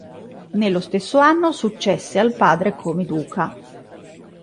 Nello stesso anno successe al padre come duca.